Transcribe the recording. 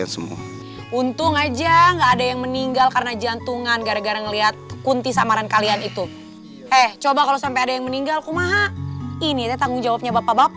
sampai jumpa di video selanjutnya